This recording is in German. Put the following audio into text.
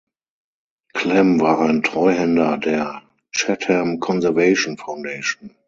Clem war ein Treuhänder der Chatham Conservation Foundation.